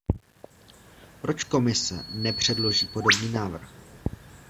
Proč Komise nepředloží podobný návrh?